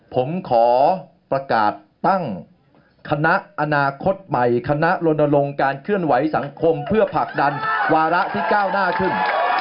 ผมขอประกาศตั้งคณะอนาคตใหม่คณะลนลงการเคลื่อนไหวสังคมเพื่อผลักดันวาระที่ก้าวหน้าขึ้น